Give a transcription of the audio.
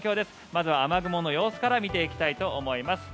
まずは雨雲の様子から見ていきたいと思います。